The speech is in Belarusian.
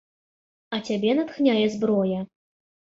А цябе натхняе зброя.